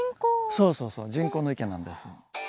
そうそうそう人工の池なんです。